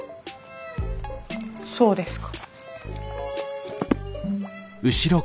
そうですか。